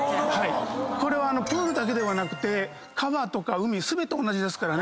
これはプールだけではなくて川とか海全て同じですからね。